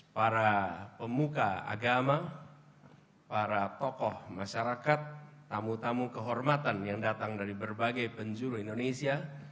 para pemuka agama para tokoh masyarakat tamu tamu kehormatan yang datang dari berbagai penjuru indonesia